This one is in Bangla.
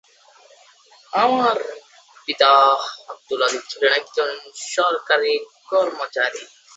তার পিতা আবদুল আজিজ ছিলেন একজন সরকারি কর্মচারী।